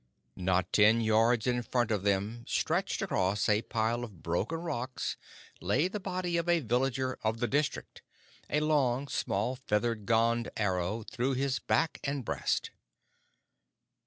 Not ten yards in front of them, stretched across a pile of broken rocks, lay the body of a villager of the district, a long, small feathered Gond arrow through his back and breast.